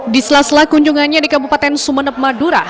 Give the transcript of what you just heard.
di sela sela kunjungannya di kabupaten sumeneb madura